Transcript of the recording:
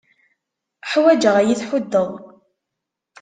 Ḥwajeɣ ad iyi-tḥuddeḍ.